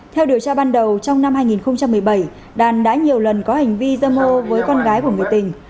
theo điều tra ban đầu trong năm hai nghìn một mươi bảy đàn đã nhiều lần có hành vi dâm ô với con gái của người tình